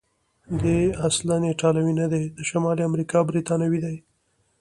دی اصلا ایټالوی نه دی، د شمالي امریکا برتانوی دی.